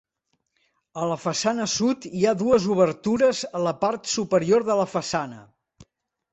A la façana sud, hi ha dues obertures a la part superior de la façana.